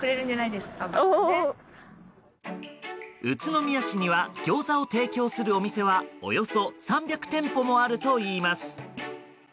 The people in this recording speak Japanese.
宇都宮市にはギョーザを提供するお店はおよそ３００店舗もあるといいます。